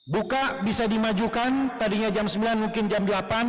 buka bisa dimajukan tadinya jam sembilan mungkin jam delapan